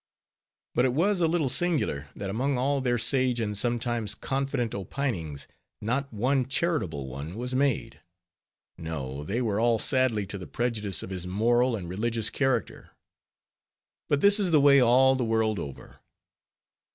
But it was a little singular, that among all their sage and sometimes confident opinings, not one charitable one was made; no! they were all sadly to the prejudice of his moral and religious character. But this is the way all the world over.